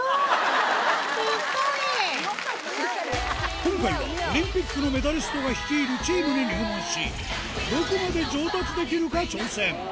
今回は、オリンピックのメダリストが率いるチームに入門し、どこまで上達できるか挑戦。